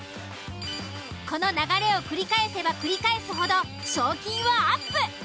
この流れを繰り返せば繰り返すほど賞金はアップ。